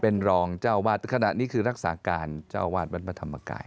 เป็นรองเจ้าอวาสถ้านี้คือรักษาการเจ้าอวาสบรรพธรรมกาย